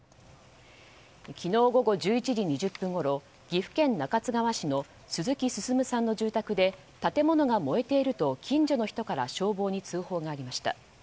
昨日午後１１時２０分ごろ岐阜県中津川市の鈴木進さんの住宅で建物が燃えていると近所の人から消防に通報がありました。